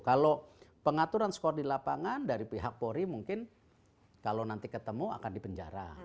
kalau pengaturan skor di lapangan dari pihak polri mungkin kalau nanti ketemu akan dipenjara